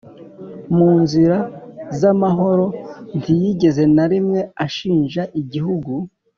mu nzira z'amahoro. ntiyigeze na rimwe ashinja igihugu